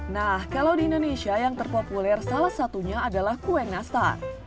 nah kalau di indonesia yang terpopuler salah satunya adalah kue nastar